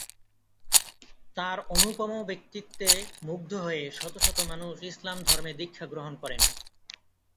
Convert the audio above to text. তার অনুপম ব্যক্তিত্বে মুগ্ধ হয়ে শত শত মানুষ ইসলাম ধর্মে দীক্ষা গ্রহণ করেন।